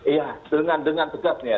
ya dengan tegak ya